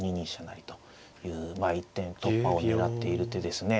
成というまあ一点突破を狙っている手ですね。